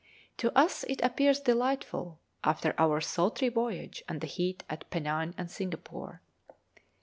To us it appears delightful after our sultry voyage and the heat at Penang and Singapore.